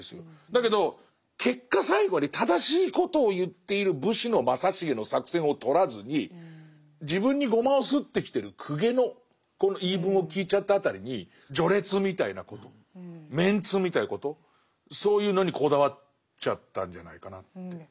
だけど結果最後まで正しいことを言っている武士の正成の作戦を取らずに自分にごまをすってきてる公家のこの言い分を聞いちゃった辺りに序列みたいなことメンツみたいなことそういうのにこだわっちゃったんじゃないかなって。